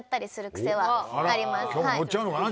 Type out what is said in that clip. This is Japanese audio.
今日乗っちゃうのかな？